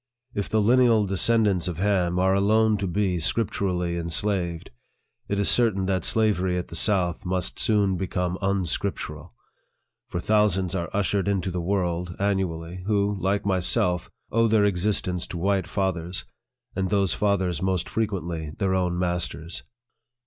If the lineal descendants of Ham are alone to be scripturally en slaved, it is certain that slavery at the south must soon become unscri plural ; for thousands are ushered into the world, annually, who, like myself, owe their ex istence to white fathers, and those fathers most fre quently their own masters.